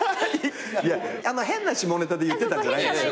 あんま変な下ネタで言ってたんじゃないんですよ。